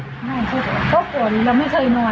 เดินออกให้เห็น